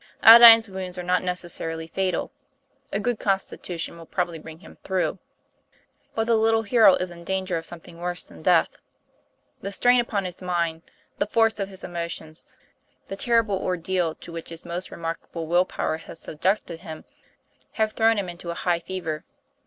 Aldine's wounds are not necessarily fatal; a good constitution will probably bring him through. But the little hero is in danger of some thing worse than death. The strain upon his mind, the force of his emotions, the terrible ordeal to which his most remarkable will power has subjected him, have thrown him into a high fever.